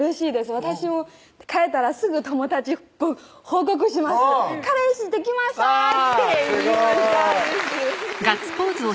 私も帰ったらすぐ友達報告します「彼氏できました！」って言いましたです